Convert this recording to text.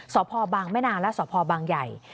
สพบางแม่นางและสพบางใหญ่